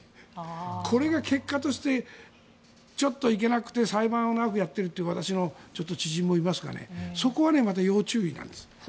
これが結果としてちょっといけなくて裁判を長くやっているという私の知人もいますがねそこは要注意なんです。